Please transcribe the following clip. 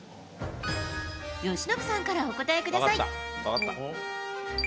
由伸さんからお答えください。